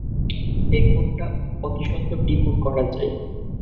এই কোডটা অতিস্বত্বর ডিকোড করা চাই!